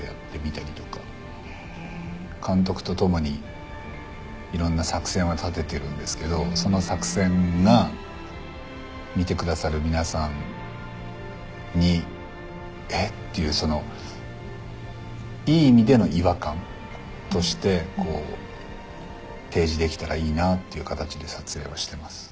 監督と共にいろんな作戦は立ててるんですけどその作戦が見てくださる皆さんに「えっ？」っていういい意味での違和感として提示できたらいいなっていう形で撮影はしてます。